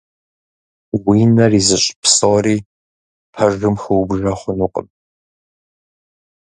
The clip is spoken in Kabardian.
Уи нэр изыщӀ псори пэжым хыубжэ хъунукъым.